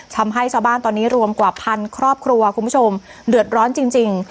ทำให้ชาวบ้านตอนนี้รวมกว่าพันครอบครัวคุณผู้ชมเดือดร้อนจริง